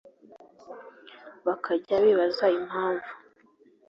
bakajya bibaza impamvu